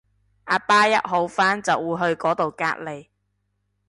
阿爸一好翻就會去嗰到隔離